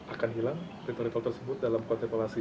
akan hilang ritual tersebut dalam konteks demokrasi